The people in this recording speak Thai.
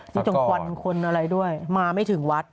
ตรงควันคนอะไรด้วยมาไม่ถึงวัด